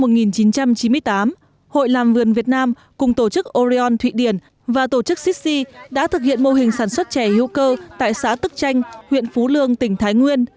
năm một nghìn chín trăm chín mươi tám hội làm vườn việt nam cùng tổ chức orion thụy điển và tổ chức sydsi đã thực hiện mô hình sản xuất chè hữu cơ tại xã tức chanh huyện phú lương tỉnh thái nguyên